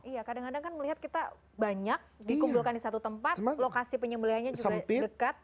iya kadang kadang kan melihat kita banyak dikumpulkan di satu tempat lokasi penyembeliannya juga dekat